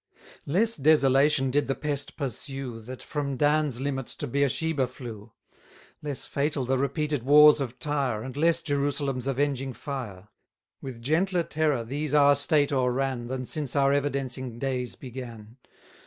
Less desolation did the pest pursue, That from Dan's limits to Beersheba flew; 70 Less fatal the repeated wars of Tyre, And less Jerusalem's avenging fire. With gentler terror these our state o'erran, Than since our evidencing days began!